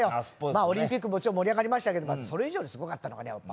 オリンピックもちろん盛り上がりましたけどそれ以上にすごかったのがね